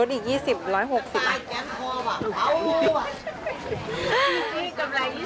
รถอีก๒๐บาท